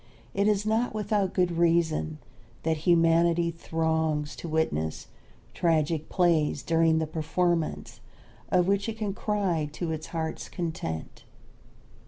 It is not without good reason that humanity throngs to witness tragic plays during the performance of which it can cry to its heart's content.